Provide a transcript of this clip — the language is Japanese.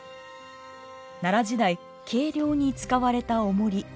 奈良時代計量に使われたおもり権です。